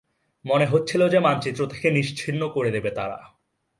মনে হচ্ছিল যে মানচিত্র থেকে নিশ্চিহ্ন করে দেবে তারা।